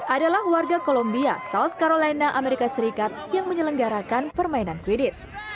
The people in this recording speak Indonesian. adalah warga columbia south carolena amerika serikat yang menyelenggarakan permainan quidits